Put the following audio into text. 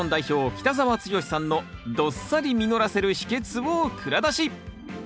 北澤豪さんのどっさり実らせる秘けつを蔵出し！